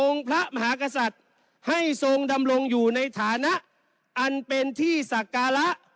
พระมหากษัตริย์ให้ทรงดำรงอยู่ในฐานะอันเป็นที่ศักระ